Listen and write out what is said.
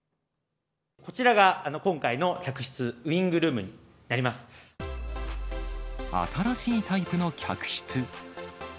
こちらが今回の客室、新しいタイプの客室。